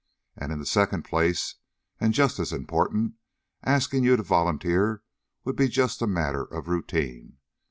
And in the second place, and just as important, asking you to volunteer would be just a matter of routine.